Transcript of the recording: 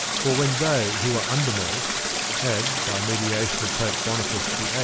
For when they who were undermost had, by mediation of Pope Boniface VIII.